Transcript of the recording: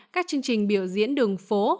các chương trình biểu diễn đường phố